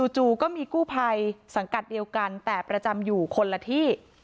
จู่ก็มีกู้ภัยสังกัดเดียวกันแต่ประจำอยู่คนละที่